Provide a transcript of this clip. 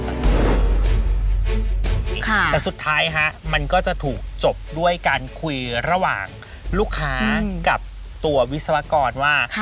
แต่สุดท้ายฮะมันก็จะถูกจบด้วยการคุยระหว่างลูกค้ากับตัววิศวกรว่า